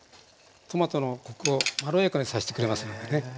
トマトのコクをまろやかにさしてくれますのでね。